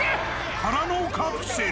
空のカプセル。